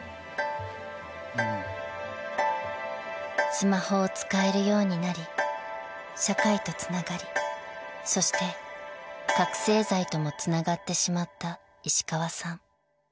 ［スマホを使えるようになり社会とつながりそして覚醒剤ともつながってしまった石川さん］